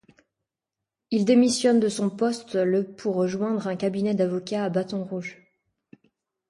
Il démissionne de son poste le pour rejoindre un cabinet d'avocats à Baton Rouge.